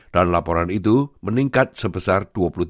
dan laporan itu meningkat sebesar dua puluh tiga